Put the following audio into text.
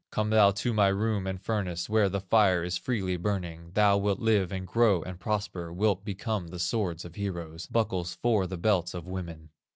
Come thou to my room and furnace, Where the fire is freely burning, Thou wilt live, and grow, and prosper, Wilt become the swords of heroes, Buckles for the belts of women.